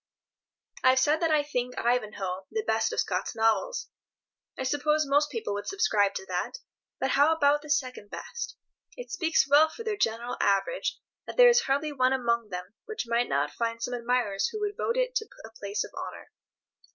I have said that I think "Ivanhoe" the best of Scott's novels. I suppose most people would subscribe to that. But how about the second best? It speaks well for their general average that there is hardly one among them which might not find some admirers who would vote it to a place of honour.